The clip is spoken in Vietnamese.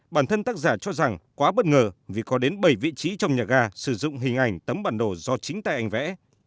bản thân tác giả cho rằng quá bất ngờ vì có đến bảy vị trí trong nhà ga sử dụng hình ảnh tấm bản đồ do chính tay anh vẽ